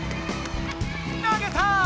投げた！